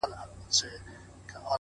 له عمره د حيات په دروازه کي سره ناست وو”